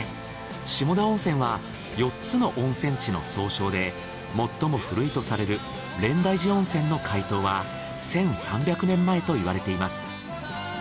下田温泉は４つの温泉地の総称で最も古いとされる蓮台寺温泉の開湯は１，３００年前といわれています。